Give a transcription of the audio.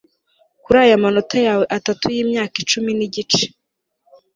kuri aya manota yawe atatu yimyaka icumi nigice